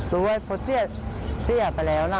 รู้ว่าอาวัยพฤษเสียไปแล้วนะ